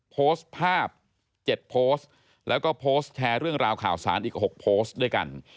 โพสต์ภาพ๗โพสต์แล้วก็โพสต์แชร์เรื่องราวข่าวสารอีก๖โพสต์ด้วยกัน